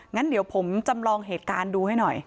งั้นเดี๋ยวผมจำลองเหตุการณ์ดูให้หน่อย